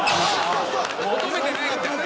求めてないんだ。